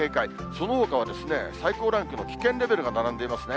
そのほかはですね、最高ランクの危険レベルが並んでいますね。